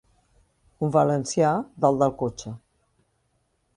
Un valencià dalt del cotxe.